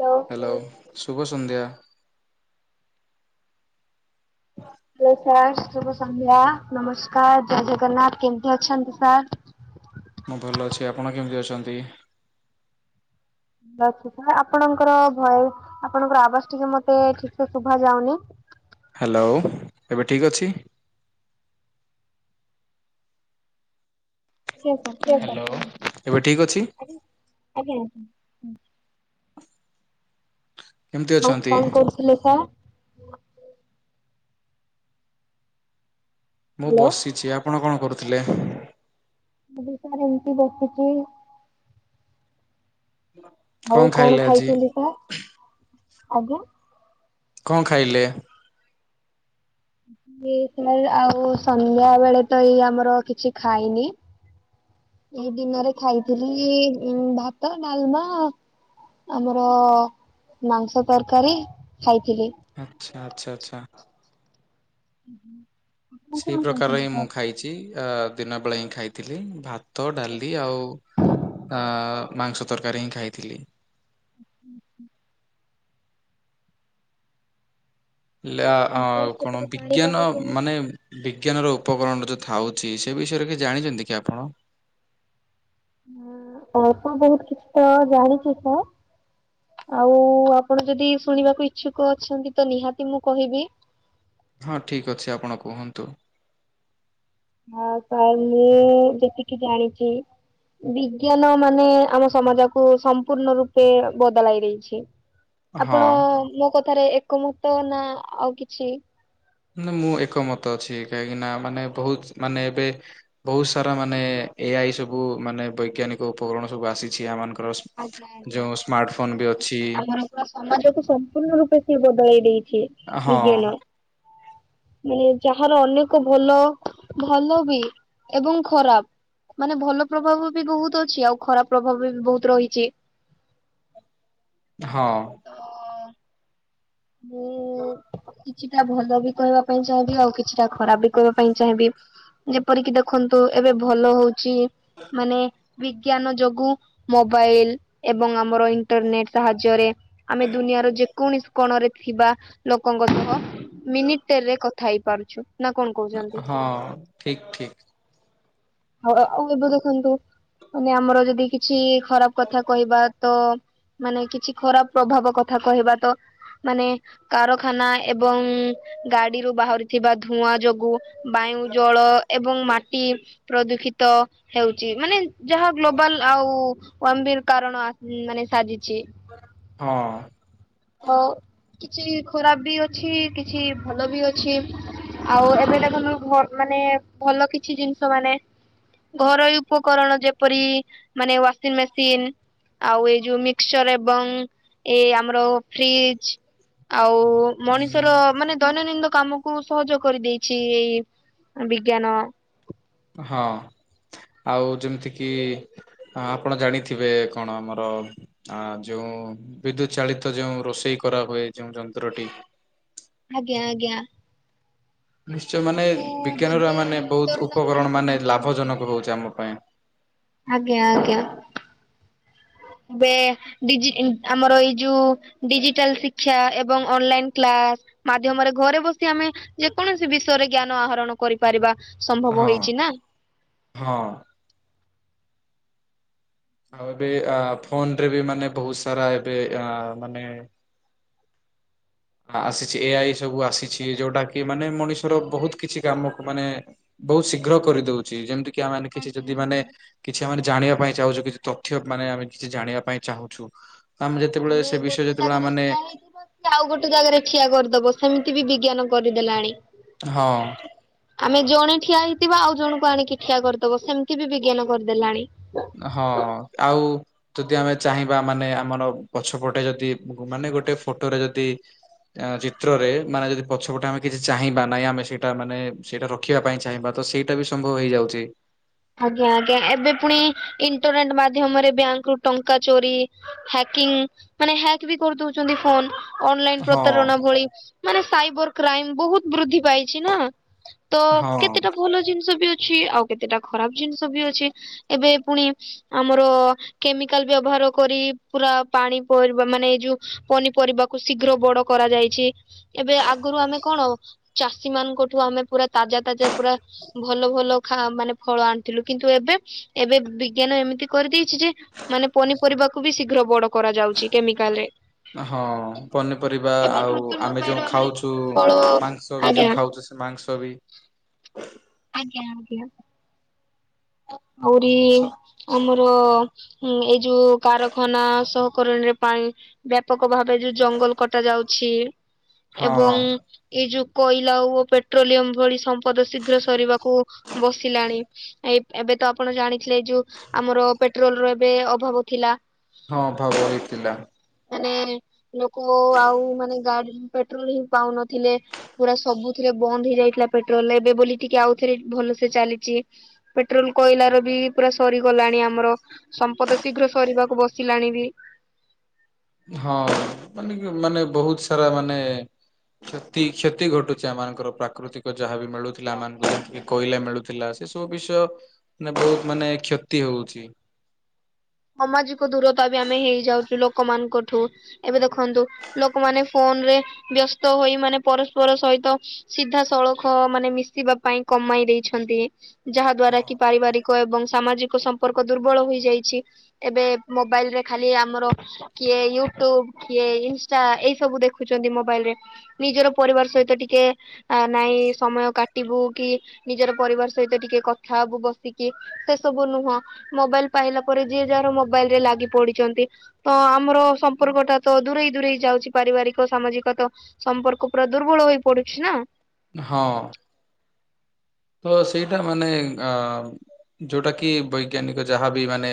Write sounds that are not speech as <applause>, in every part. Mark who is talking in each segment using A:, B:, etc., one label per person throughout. A: Hello.
B: Hello, ଶୁଭ ସନ୍ଧ୍ୟା। କୁହ।
A: ହ୍ୟାଲୋ ସାର୍, ଶୁଭ ସନ୍ଧ୍ୟା, ନମସ୍କାର ଜୟ ଜଗନ୍ନାଥ କେମତି ଅଛନ୍ତି ସାର୍?
B: ମୁଁ ଭଲ ଅଛି, ଆପଣ କେମିତି ଅଛନ୍ତି?
A: ଆପଣଙ୍କର ଭୟସ୍, ଆପଣଙ୍କର ଆବାଜ୍ ଟିକେ ମତେ ଠିକ୍ ଠାକ୍ ଶୁଭା ଯାଉନି।
B: ହ୍ୟାଲୋ, ଏବେ ଠିକ୍ ଅଛି?
A: ଆଜ୍ଞା ସାର୍ କୁହନ୍ତୁ।
B: ହ୍ୟାଲୋ, ଏବେ ଠିକ୍ ଅଛି?
A: ଆଜ୍ଞା।
B: କେମିତି
A: ଆଉ
B: ଅଛନ୍ତି
A: କଣ କରହୁଥିଲେ ସାର୍?
B: ମୁଁ
A: ହ୍ୟାଲୋ
B: ବସିଛି, ଆପଣ କଣ କରୁଥିଲେ?
A: ମୁ ବି ସାର୍ ଏମିତି ବସିଚି। ଆଉ କଣ
B: ଖାଇଲେ ଆଜି
A: ଖାଇଛନ୍ତି ସାର୍, ଆଜ୍ଞା?
B: କଁ ଖାଇଲେ?
A: ଇ ସାର୍ ଆଉ ସନ୍ଧ୍ୟା ବେଳେ ତ ଏଇ ଆମର କିଛି ଖାଇନି। ଏଇ ଦିନରେ ଖାଇଥିଲି ଭାତ, ଡାଲମା ଆମର ମାଂସ ତରକାରୀ ଖାଇଥିଲି।
B: ଆଚ୍ଛା, ଆଛା, ଆଚ୍ଛା।
A: ହୁଁ।
B: ସେଇ ପ୍ରକାର ହିଁ ମୁଁ ଖାଇଛି, ଅ ଦିନ ବେଳେ ହିଁ ଖାଇଥିଲି ଭା ତ ଡାଲି ଆଉ ଅ ମାଂସ ତରକାରୀ ହିଁ ଖାଇଥିଲି।
A: <unintelligible>
B: ହେଲେ ଆ
A: ସାର୍
B: କଣ
A: ସେପଟେ ପାଣିପାଗ
B: ବିଜ୍ଞାନ
A: କେମିତି?
B: ମାନେ ବିଜ୍ଞାନର ଉପକରଣ ଯୋଉ ଥାଉଛି ସେ ବିଷୟରେ କିଛି ଜାଣିଛନ୍ତି କି ଆପଣ?
A: ଅଳ୍ପ ବହୁତ କିଛି ତ ଜାଣିଛି ସାର୍। ଆଉ ଆପଣ ଯଦି ଶୁଣିବାକୁ ଇଚ୍ଛୁକ ଅଛନ୍ତି, ତ ନିହାତି ମୁଁ କହିବି।
B: ହଁ ଠିକ ଅଛି ଆପଣ କୁହନ୍ତୁ।
A: ଆ ତାହେଲେ ଯେତିକି ଜାଣିଛି। ବିଜ୍ଞାନମାନେ ଆମ ସମାଜକୁୁ ସମ୍ପୂର୍ଣ୍ଣ ରୂପେ ବଦଳାଇ ଦେଇଛି। ଆପଣ
B: ହଁ
A: ମୋ କଥାରେ ଏକମତ, ନା ଆଉ କିଛି।
B: ନା ମୁଁ ଏକମତ ଅଛି, କାହିଁକିନା ମାନେ ବହୁତ ମାନେ ଏବେ ବହୁତ ସାରା ମାନେ ଏଆଇ ସବୁ ମାନେ ବୈଜ୍ଞାନିକ ଉପକରଣ ସବୁ ଆସିଛି ଆମ ମାନଙ୍କର
A: ଆଜ୍ଞା ଆଜ୍ଞା।
B: ଯୋଉ ସ୍ମାର୍ଟ ଫୋନ ବି
A: ବହୁତ
B: ଅଛି
A: ଆମର ପୁରା ସମାଜକୁ ସମ୍ପୂର୍ଣ୍ଣ ରୂପେ ସିଏ ବଦଳେଇ ଦେଇଛି।
B: ହଁ।
A: ବିଜ୍ଞାନ ମାନେ ଯାହାର ଅନେକ ଭଲ ଭଲ ବି ଏବଂ ଖରାପ ମାନେ ଭଲ ପ୍ରଭାବ ବି ବହୁତ ଅଛି ଆଉ ଖରାପ ପ୍ରଭାବ ବି ବହୁତ ରହିଛି।
B: ହଁ।
A: ତ
B: <unintelligible>
A: ମୁଁ କିଛିଟା ଭଲ ବି କହିବା ପାଇଁ ଚାହିଁବି ଆଉ କିଛିଟା ଖରାପ ବି କହିବା ପାଇଁ ଚାହିଁବି। ଯେପରିକି ଦେଖନ୍ତୁ ଏବେ ଭଲ ହଉଛି ମାନେ ବିଜ୍ଞାନ ଯୋଗୁଁ ମୋବାଇଲ ଏବଂ ଆମର ଇଣ୍ଟରନେଟ ସାହାଯ୍ୟରେ ଆମେ ଦୁନିଆର ଯେକୌଣସି କୋଣରେ ଥିବା ଲୋକଙ୍କ ସହ ମିନିଟେରି ରେ କଥା ହେଇପାରୁଛୁ।
B: ହଁ ଠିକ୍ ଠିକ୍।
A: ଆଉ ଅ ଏବେ ଦେଖନ୍ତୁ ମାନେ ଆମର ଯଦି କିଛି ଖରାପ କଥା କହିବା ତ ମାନେ କିଛି ଖରାପ ପ୍ରଭାବ କଥା କହିବା ତ ମାନେ କାରଖାନା ଏବଂ ଗାଡିରୁୁ ବାହାରିଥିବା ଧୂଆଁ ଯୋଗୁ ବାୟୁ ଜଳ ଏବଂ ମାଟି ପ୍ରଦୂଷିତ ହେଉଛି ମାନେ ଯାହା ଗ୍ଲୋବାଲ ଆଉ ଗମ୍ଭୀର କାରଣ ଆ ମାନେ ସାଜିଛି।
B: ହଁ।
A: ହଉ କିଛି ଖରାପ ବି ଅଛି କିଛି ଭଲ ବି ଅଛି। ଆଉ ଏବେ ଦେଖନ୍ତୁ ବ ମାନେ ଭଲ କିଛି ଜିନିଷ ମାନେ ଘରୋଇ ଉପକରଣ ଯେପରି ମାନେ ୱାସିଂ ମେସିନ ଆଉ ଏଇ ଯୋଉ ମିକ୍ସଚର ଏବଂ ଏଇ ଆମର ଫ୍ରିଜ ଆଉ ମଣିଷର ମାନେ ଦୈନନିନ କାମ କୁ ସହଜ କରିଦେଇଛି ଅ ବିଜ୍ଞାନ।
B: ହଁ ଆଉ ଯେମିତି କିି ହଁ ଆପଣ ଜାଣିଥିବେ କଣ ଆମର ଆ ଯୋଉଁ ବିଦ୍ୟୁତ ଚାଳିତ ଯେଉଁ ରୋଷେଇ କରାହୁଏ ଯେଉଁ ଯନ୍ତ୍ରଟି
A: ଆଜ୍ଞା ଆଜ୍ଞା।
B: ନିଶ୍ଚୟ ମାନେ
A: ତାକୁ
B: ବିଜ୍ଞାନରୁ
A: ବୋଧେ
B: ମାନେ
A: ହିଟର
B: ବହୁତ
A: ନା କଣ
B: ଉପକରଣ ମାନେ
A: କୁହନ୍ତି ଏମିତି।
B: ଲାଭଜନକ ହଉଛି ଆମ ପାଇଁ।
A: ଆଜ୍ଞା ଆଜ୍ଞା। ବେ ଡିଜି ଆମର ଏଇ ଯୋଉ ଡିଜିଟାଲ ଶିକ୍ଷା ଏବଂ ଅନଲାଇନ କ୍ଲାସ ମାଧ୍ୟମରେ ଘରେ ବସି ଆମେ ଯେକୌଣସି ବିଷୟରେ ଜ୍ଞାନ ଆହରଣ କରିପାରିବା ସମ୍ଭବ
B: ହଁ
A: ହେଇଛି ନା।
B: ହଁ। ଆଉ ଏବେ ଆ ଫୋନରେ ବି ମାନେ ବହୁତ ସାରା ଏବେ ଆ ମାନେ ଆସିଛି ଏ ଆଇ ସବୁ ଆସିଛି ଯୋଉଟା କି ମାନେ ମଣିଷର ବହୁତ କିଛି କାମ କୁ ମାନେ ବହୁତ ଶୀଘ୍ର କରିଦଉଛି ଯେମିତି କିି ଆ ମାନେ କିଛି ଯଦି ମାନେ କିଛି ଆମାନେ ଜାଣିବା ପାଇଁ ଚାହୁଁଛୁ କିଛି ତଥ୍ୟ ମାନେ ଆମେ କିଛି ଜାଣିବା ପାଇଁ ଚାହୁଁଛୁ ଆମେ ଯେତେବେଳେ ସେ ବିଷୟ ଯେତେବେଳେ ଆ ମାନେ
A: କି ଆଉ ଗୋଟେ ଜାଗାରେ ଠିଆ କରିଦବ ସେମିତି ବି ବିଜ୍ଞାନ କରିଦେଲାଣି।
B: ହଁ।
A: ଆମେ ଜଣେ ଠିଆ ହେଇଥିବା ଆଉ ଜଣଙ୍କୁ ଆଣିକି ଠିଆ କରିଦବ ସେମିତି ବିଜ୍ଞାନ କରିଦେଲାଣି।
B: ହଁ ଆଉ ଯଦି ଆମେ ଚାହିଁବା ମାନେ ଆମର ପଛପଟେ ଯଦି ମାନେ ଗୋଟେ ଫଟୋ ରେ ଯଦି ଆ ଚିତ୍ରରେ ମାନେ ଯଦି ପଛପଟେ ଆମେ କିଛି ଚାହିଁବା ନାହିଁ ଆମେ ସେଇଟା ମାନେ ସେଇଟା ର ଖିବା ପାଇଁ ଚାହିଁବା ତ ସେଇଟା ବି ସମ୍ଭବ ହେଇଯାଉଛି।
A: ଆଜ୍ଞା ଆଜ୍ଞା ଏବେ ପୁଣି ଇଣ୍ଟରନେଟ ମାଧ୍ୟମରେ ବ୍ୟାଙ୍କ ରୁ ଟଙ୍କା ଚୋରି ହ୍ୟାକିଂ ମାନେ ହ୍ୟାକ ବି କରିଦଉଛନ୍ତି ଫୋନ। ଅନଲାଇନ
B: ହଁ
A: ପ୍ରତାରଣା ଭଳି ମାନେ ସାଇବର କ୍ରାଇମ ବହୁତ ବୃଦ୍ଧି ପାଇଛି ନା। ତ
B: ହଁ।
A: କେତେଟା ଭଲ ଜିନିଷ ବି ଅଛି ଆଉ କେତେଟା ଖରାପ ଜିନିଷ ବି ଅଛି ଏବେ ପୁଣି ଆମର କେମିକାଲ ବ୍ୟବହାର କରି ପୁରା ପାଣିି ପରିବା ମାନେ ଏଇ ଯୋଉ ପନିପରିବା। କୁ ଶୀଘ୍ର ବଡ କରାଯାଇଛି ଏବେ ଆଗରୁ ଆମେ କଣ ଚାଷୀ ମାନଙ୍କଠୁ ଆମେ ପୁରା ତାଜା ତାଜା ପୁରା। ଭଲ ଭଲ ଖା ମାନେ ଫଳ ଆଣିଥିଲୁ କିନ୍ତୁ ଏବେ ଏବେ ବିଜ୍ଞାନ ଏମିତି କରିଦେଇଛି ଯେ। ମାନେ ପନିପରିବାକୁ ବି ଶୀଘ୍ର ବଡ କରାଯାଉଛି କେମିକାଲ ରେ।
B: ହଁ ପନିପରିବା
A: ଏବଂ
B: ଆଉ
A: କୃତ୍ରିମ
B: ଆମେ ଯେଉ
A: ଉପାୟରେ ମାନେ
B: ଖାଉଛୁ
A: ଫଳ
B: ମାଂସ ବି
A: ଆଜ୍ଞା
B: ଯେଉଁ ଖାଉଛୁ ମାଂସ ବି।
A: ଆଜ୍ଞା ଆଜ୍ଞା। ଆହୁରି।
B: ସ-
A: ଆମର ଏଇ ଯୋଉ କାରଖାନା ସହକରଣୀରେ ପାଣି। ବ୍ୟାପକ ଭାବେ ଯୋଉ ଜଙ୍ଗଲ କଟା ଯାଉଛି
B: ହଁ
A: ଏବଂ। ଏଇ ଯୋଉ କୋଇଲା ଓ ପେଟ୍ରୋଲିୟମ ଭଳି ସମ୍ପଦ ଶୀଘ୍ର ସରିବାକୁ। ବସିଲାଣି ଏ। ଏବେ ତ ଆପଣ ଜାଣିଥିଲେ ଯୋଉ ଆମର ପେଟ୍ରୋଲର ଏବେ ଅଭାବ ଥିଲା।
B: ହଁ ଅଭାବ ହେଇଥିଲା।
A: ମାନେ ଲୋକ ଆଉ ମାନେ ଗାଡି ପେଟ୍ରୋଲ ହିଁ ପାଉନଥିଲେ। ପୁରା ସବୁଥିରେ ବନ୍ଦ ହେଇଯାଇଥିଲା ପେଟ୍ରୋଲ ଏବେ ବୋଲି ଟିକେ ଆଉଥରେ ଭଲସେ ଚାଲିଛି। ପେଟ୍ରୋଲ କୋଇଲା ର ବି ପୁରା ସରିଗଲାଣି ଆମର। ସମ୍ପଦ ଶୀଘ୍ର ସରିବାକୁ ବସିଲାଣି ବି।
B: ହଁ ମାନେ କି ମାନେ ବହୁତ ସାରା ମାନେ। କ୍ଷତି କ୍ଷତି ଘଟୁଛି ଏମାନଙ୍କର ପ୍ରାକୃତିକ ଯାହାବି ମିଳୁ ଥିଲା ଆମ ମାନଙ୍କୁ ଯେମତି କୋଇଲା ମିଳୁଥିଲା ସେ ସବୁ ବିଷୟ ମାନେ ବହୁତ ମାନେ କ୍ଷତି ହଉଛି।
A: ସମାଜିକ ଦୂରତା ବି ଆମେ ହେଇଯାଉଛୁ ଲୋକମାନଙ୍କଠୁ। ଏବେ ଦେଖନ୍ତୁ ଲୋକମାନେ ଫୋନ ରେ ବ୍ୟସ୍ତ ହୋଇ ମାନେ ପରସ୍ପର ସହିତ। ସିଧା ସଳଖ ମାନେ ମିଶିବା ପାଇଁ କମାଇ ଦେଇଛନ୍ତି। ଯାହା ଦ୍ଵାରା
B: ହଁ।
A: କି ପାରିବାରିକ ଏବଂ ସାମାଜିକ ସମ୍ପର୍କ ଦୁର୍ବଳ ହୋଇଯାଇଛି। ଏବେ ମୋବାଇଲ ରେ ଖାଲି ଆମର। କିଏ ୟୁଟ୍ୟୁବ କିଏ ଇନଷ୍ଟା ଏଇ ସବୁ ଦେଖୁଛନ୍ତି ମୋବାଇଲରେ। ନିଜର ପରିବାର ସହିତ ଟିକେ। ଆ ନାଇଁ ସମୟ କାଟିବୁ କି ନିଜର ପରିବାର ସହିତ ଟିକେ କଥା ହବୁ ବସିକି। ସେ ସବୁ ନୁହଁ ମୋବାଇଲ ପାଇଲା ପରେ ଯିଏ ଯାହାର ମୋବାଇଲ ରେ ଲାଗି ପଡିଛନ୍ତି। ତ ଆମର ସମ୍ପର୍କଟା ତ ଦୂରେଇ ଦୂରେଇ ଯାଉଛି ପାରିବାରିକ ସାମାଜିକ ତ। ସମ୍ପର୍କ ପୁରା ଦୁର୍ବଳ ହୋଇ ପଡୁଛି ନା।
B: ହଁ। ତ ସେଇଟା ମାନେ ଆ ଯୋଉଟା କି ବୈଜ୍ଞାନିକ ଯାହାବି ମାନେ।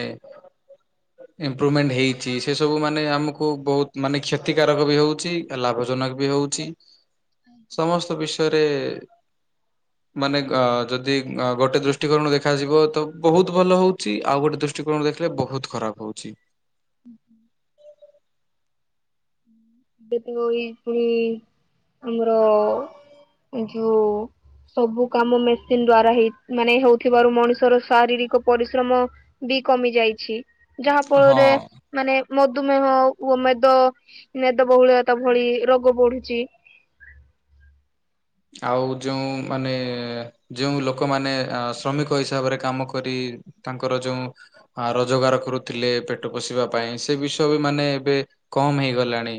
B: ଇମ୍ପ୍ରୁଭମେଣ୍ଟ ହେଇଛି ସେ ସବୁ ମାନେ ଆମକୁ ବହୁତ ମାନେ କ୍ଷତିକାରକ ବି ହଉଛି। ଲାଭଜନକ ବି ହଉଛି ସମସ୍ତ ବିଷୟରେ। ମାନେ ଅ ଯଦି ଗୋଟେ ଦୃଷ୍ଟିକୋଣରୁ ଦେଖାଯିବ ତ ବହୁତ ଭଲ ହଉଛି ଆଉ ଗୋଟେ ଦୃଷ୍ଟି। ଦୃଷ୍ଟିକୋଣରୁ ଦେଖିଲେ ବହୁତ ଖରାପ ହଉଛି।
A: ହୁଁ ହୁଁ। ଯେହେତୁ ଏଇ ପୁଣି ଇଅର। ଏ ଯୋଉ। ସବୁ କାମ ମେସିନ ଦ୍ଵାରା ହେଇ ମାନେ ହଉ ଥିବାରୁ ମଣିଷର ଶାରୀରିକ ପରିଶ୍ରମ। ବି କମି ଯାଇଛି। ଯାହା
B: ହଁ
A: ଫଳରେ ମାନେ ମଧୁମେହ ଓ ମେଦ। ମେଦ ବହୁଳତା ଭଳି ରୋଗ ବଢୁଛି।
B: ଆଉ ଯେଉଁ ମାନେ ଯୋଉ ଲୋକମାନେ ଅ ଶ୍ରମିକ ହିସାବରେ କାମ କରି ତାଙ୍କର ଯୋଉଁ ରୋଜଗାର କରୁଥିଲେ ପେଟ ପୋଷିବା ପାଇଁ ସେ ବିଷୟ ବି ମାନେ ଏବେ କମ ହେଇଗଲାଣି।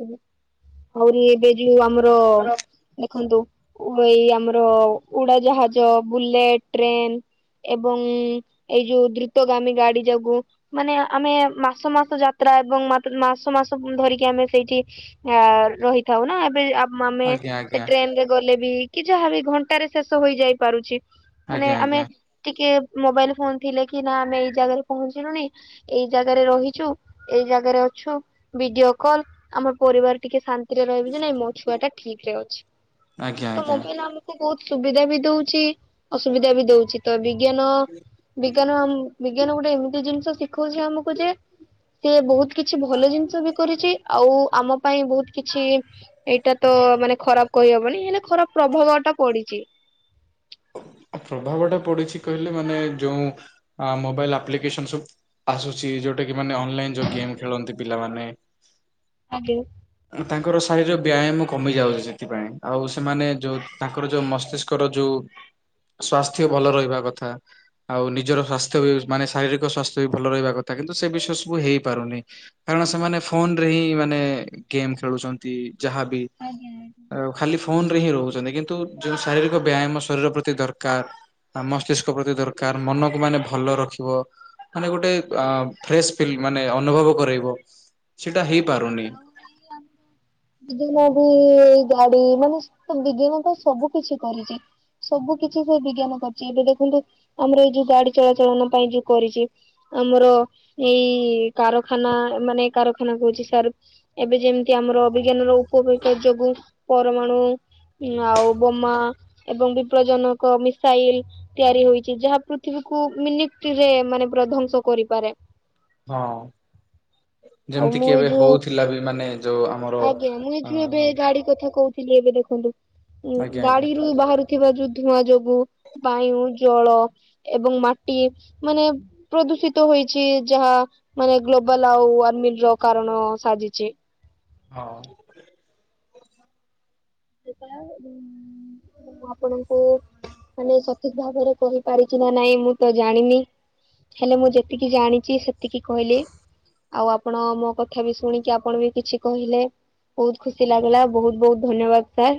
A: <inaudible> ଆହୁରି ଏବେ ଯୋଉ ଆମର ଦେଖନ୍ତୁ। ଏଇ ଆମର ଉଡାଜାହାଜ ବୁଲେଟ ଟ୍ରେନ। ଏବଂ ଏଇ ଯୋଉ ଦ୍ରୁତଗାମୀ ଗାଡି ଯାଗୁ ମାନେ ଆମେ ମାସ ମାସ ଯାତ୍ରା ଏବଂ ମାତ୍ ମାସ ମାସ ଧରିକି ଆମେ ସେଇଠି ରହିଥାଉ ନା ଏବେ ଆପ ମାମେ
B: ଆଜ୍ଞା
A: ସେ
B: ଆଜ୍ଞା
A: ଟ୍ରେନ ରେ ଗଲେ ବି କି ଯାହାବି ଘଣ୍ଟାରେ ଶେଷ ହୋଇଯାଇ ପାରୁଛି।
B: ଆଜ୍ଞା
A: ମାନେ ଆମେ
B: ଆଜ୍ଞା
A: ଟିକେ ମୋବାଇଲ ଫୋନ ଥିଲେ କି ନା ଆମେ ଏଇ ଜାଗାରେ ପହଞ୍ଚିଲୁଣି। ଏଇ ଜାଗାରେ ରହିଛୁ, ଏଇ ଜାଗାରେ ଅଛୁ। ଭିଡିଓ କଲ ଆମର ପରିବାର ଟିକେ ଶାନ୍ତିରେ ରହିବେ ଯେ ନାଇଁ ମୋ ଛୁଆ ଟା ଠିକ ରେ ଅଛି।
B: ଆଜ୍ଞା
A: ତ
B: ଆଜ୍ଞା
A: ମୋବାଇଲ ଆମକୁ ବହୁତ ସୁବିଧା ବି ଦଉଛି ଅସୁବିଧା ବି ଦଉଛି। ତ ବିଜ୍ଞାନ ବି ବିଜ୍ଞାନ ବିଜ୍ଞାନ ଗୋଟେ ଏମିତି ଜିନିଷ ଶିଖଉଛି ଆମକୁ ଯେ ସିଏ ବହୁତ କିଛି ଭଲ ଜିନିଷ ବି କରିଛି ଆଉ ଆମ ପାଇଁ ବହୁତ କିଛି ଏଇଟା ତ ମାନେ ଖରାପ କହିହବନି ହେଲେ ଖରାପ ପ୍ରଭାବ ଟା ପଡିଛି।
B: ପ୍ରଭାବଟା ପଡିଛି କହିଲେ ମାନେ ଯୋଉ ମୋବାଇଲି ଆପ୍ଲିକେସନ ସବୁ। ଆସୁଛି ଯୋଉଟା କି ମାନେ ଅନଲାଇନ ଯଉ ଗେମ ଖେଳନ୍ତି ପିଲାମାନେ।
A: ହାଲୋ।
B: ତାଙ୍କର ଶାରୀର ବ୍ୟାୟାମ କମି ଯାଉଛି ସେଥିପାଇଁ ଆଉ ସେମାନେ ଯୋଉ ତାଙ୍କର ଯେଉଁ ମସ୍ତିଷ୍କର ଯୋଉ ସ୍ଵାସ୍ଥ୍ୟ ଭଲ ରହିବା କଥା। ଆଉ ନିଜର ସ୍ୱାସ୍ଥ୍ୟ ବି ମାନେ ଶାରୀରିକ ସ୍ୱାସ୍ଥ୍ୟ ଭଲ ରହିବା କଥା କିନ୍ତୁ ସେ ବିଷୟ ସବୁ ହେଇପାରୁନି। କାରଣ ସେମାନେ ଫୋନ ରେ ହିଁ ମାନେ ଗେମ ଖେଳୁଛନ୍ତି। ନ୍ତି ଯାହାବି ଖାଲି ଫୋନ ରେ ହିଁ ରହୁଛନ୍ତି। କିନ୍ତୁ ଯୋଉ ଶାରୀରିକ ବ୍ୟାୟାମ ଶରୀର ପ୍ରତି ଦରକାର ମସ୍ତିଷ୍କ ପ୍ରତି ଦରକାର ମନକୁ ମାନେ ଭଲ ରଖିବ। ମାନେ ଗୋଟେ ଫ୍ରେଶ ଫିଲ ମାନେ ଅନୁଭବ କରାଇବ। ସେଇଟା
A: ହ
B: ହେଇପାରୁନି
A: ଆଉ। ବିଜ୍ଞାନ ବି ଗାଡି ମାନେ ବିଜ୍ଞାନ ତ ସବୁ କିଛି କରିଛି। ସବୁ କିଛି ସେ ବିଜ୍ଞାନ କରିଛି। ଏବେ ଦେଖନ୍ତୁ ଆମର ଏଇ ଯୋଉ ଗାଡି ଚଳାଚଳନା ପାଇଁ ଯୋଉ କରିଛି। ଆମର ଏଇ କାରଖାନା ମାନେ କାରଖାନା କହୁଛି ସାର ଏବେ ଯେମିତି ଆମର ଅ ବିଜ୍ଞାନ ର ଉପକରିତା ଯୋଗୁ ପରମାଣୁ ଆଉ ବୋମା ଏବଂ ବିପଦଜନକ ମିସାଇଲ। ତିଆରି ହୋଇଛି ଯାହା ପୃଥିବୀକୁ ମିନିଟରେ ମାନେ ପୁରା ଧ୍ଵଂସ କରିପାରେ।
B: ହଁ
A: ଆଉ
B: ଯେମିତି
A: ମୁଁ
B: କିି
A: ଏଇ
B: ଏବେ
A: ଯୋଉ
B: ହଉଥିଲା ବି ମାନେ ଯୋଉ। ଆମର
A: ଆଜ୍ଞା ମୁଁ ଏ
B: ଅ
A: ଯୁ ଏବେ ଗାଡି କଥା କହୁଥିଲି ଏବେ ଦେଖନ୍ତୁ
B: ଆଜ୍ଞା ଆଜ୍ଞା
A: ଗାଡିରୁୁ ବାହାରୁ ଥିବା ଯୋଉ ଧୂଆଁ ଯୋଗୁ, ବାୟୁ ଜଳ ଏବଂ ମାଟି ମାନେ ପ୍ରଦୂଷିତ ହେଇଚୀ ଯାହା ମାନେ ଗ୍ଲୋବାଲ ଆଉ ୱାର୍ମିଂ ର କାରଣ ସାଜିଚି।
B: ହଁ।
A: ମୁଁ ଆପଣଙ୍କୁ ମାନେ ସ ଠିକ ଭାବରେ କହିପାରୁଚି ନା ନାଇଁ ମୁଁ ତ ଜାଣିନି। ହେଲେ ମୁଁ ଯେତିକି ଜାଣିଛି ସେତିକି କହିଲି। ଆଉ ଆପଣ ମୋ କଥା ବି ଶୁଣିକି ଆପଣ ବି କିଛି କହିଲେ। ବହୁତ ଖୁସି ଲାଗିଲା ବହୁତ ବହୁତ ଧନ୍ୟବାଦ। ସାର୍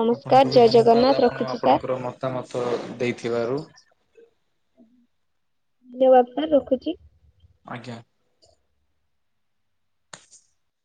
A: ନମସ୍କାର ଜୟ ଜଗନ୍ନାଥ ରଖୁଛି ସାର୍।
B: ମତା ମତ ଦେଇଥିବାରୁ
A: ଧନ୍ୟବାଦ ସାର ରଖୁଚି।
B: ଆଜ୍ଞା।